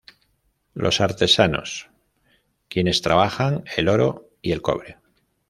Los Artesanos: Quienes trabajaban el Oro y el Cobre.